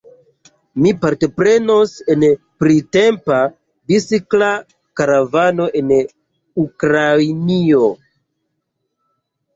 Mi partoprenos en printempa bicikla karavano en Ukrainio.